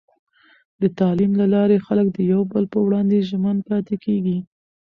د تعلیم له لارې، خلک د یو بل پر وړاندې ژمن پاتې کېږي.